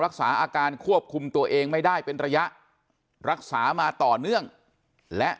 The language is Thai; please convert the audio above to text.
รักษาอาการควบคุมตัวเองไม่ได้เป็นระยะรักษามาต่อเนื่องและ